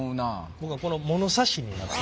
僕はこのものさしになってる。